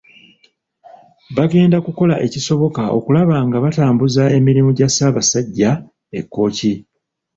Bagenda kukola ekisoboka okulaba nga batambuza emirimu gya Ssaabasajja e Kkooki.